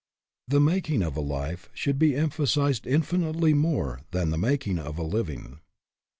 The making of a life should be emphasized infinitely more than the making of a living.